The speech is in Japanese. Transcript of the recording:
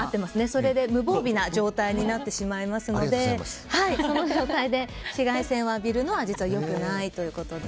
それで無防備な状態になってしまいますのでその状態で紫外線を浴びるのは良くないということで。